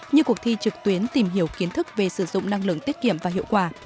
như cuộc thi trực tuyến tìm hiểu kiến thức về sử dụng năng lượng tiết kiệm và hiệu quả